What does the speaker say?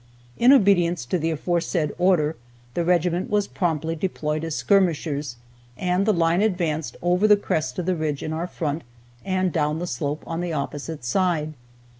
In obedience to the aforesaid order the regiment was promptly deployed as skirmishers, and the line advanced over the crest of the ridge in our front, and down the slope on the opposite side.